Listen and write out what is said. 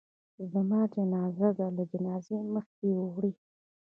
زما جنازه د ده له جنازې مخکې وړئ.